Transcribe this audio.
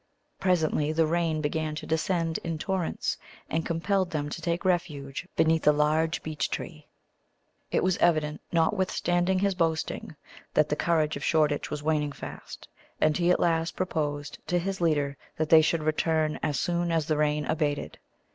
Presently the rain began to descend in torrents, and compelled them to take refuge beneath a large beech tree. It was evident, notwithstanding his boasting, that the courage of Shoreditch was waning fast, and he at last proposed to his leader that they should return as soon as the rain abated.